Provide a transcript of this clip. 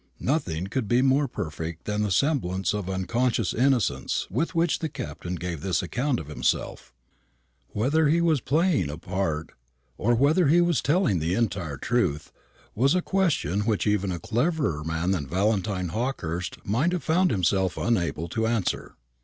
Nothing could be more perfect than the semblance of unconscious innocence with which the Captain gave this account of himself: whether he was playing a part, or whether he was telling the entire truth, was a question which even a cleverer man than Valentine Hawkehurst might have found himself unable to answer.